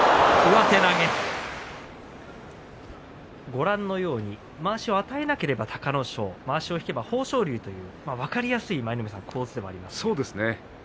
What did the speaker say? ご覧のようにまわしを与えなければ、隆の勝まわしを引けば豊昇龍という分かりやすい大相撲ですね。